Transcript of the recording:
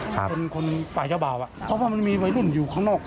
เธอเป็นคนฝ่าเจ้าบาวเพราะว่ามันมีวัยรุ่นอยู่ข้างนอก